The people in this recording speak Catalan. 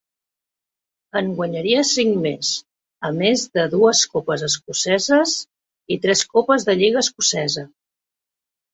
En guanyaria cinc més, a més de dues copes escoceses i tres copes de lliga escocesa.